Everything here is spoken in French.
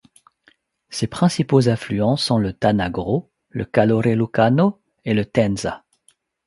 Ses principaux affluents sont le Tanagro, le Calore Lucano et le Tenza.